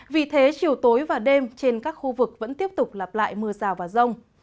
vì thế chiều tối và đêm trên các khu vực vẫn tiếp tục lặp lại mưa rào và rông